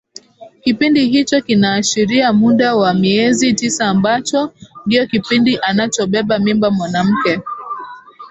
kipindi hicho kinaashiria muda wa miezi tisa ambacho ndio kipindi anachobeba mimba mwanamke